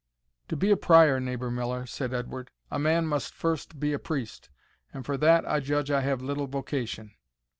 "To be a Prior, neighbour Miller," said Edward, "a man must first be a priest, and for that I judge I have little vocation."